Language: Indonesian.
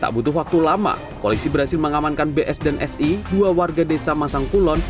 tak butuh waktu lama polisi berhasil mengamankan bs dan si dua warga desa masangkulon